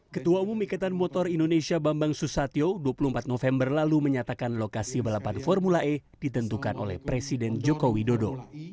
ketua umum ikatan motor indonesia bambang susatyo dua puluh empat november lalu menyatakan lokasi balapan formula e ditentukan oleh presiden joko widodo